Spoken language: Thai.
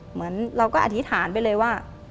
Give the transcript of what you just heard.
เหมือนเราก็อธิษฐานไปเลยว่า